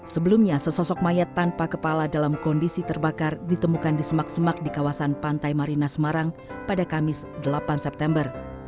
sebelumnya sesosok mayat tanpa kepala dalam kondisi terbakar ditemukan di semak semak di kawasan pantai marina semarang pada kamis delapan september